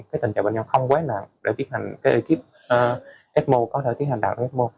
cái tình trạng bệnh nhân không quá nặng để tiến hành cái ekip ecmo có thể tiến hành đạt được ecmo